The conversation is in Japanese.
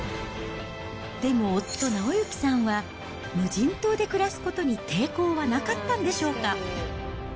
でも夫、直行さんは無人島で暮らすことに抵抗はなかったんでしょうか。